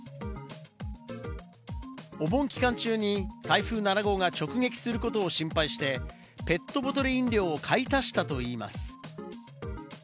お盆期間中に台風７号が直撃することを心配して、ペットボトル飲料を買い足したといいます。